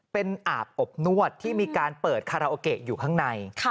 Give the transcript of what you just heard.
เป็นอาบอบนวดที่มีการเปิดคาราโอเกะอยู่ข้างใน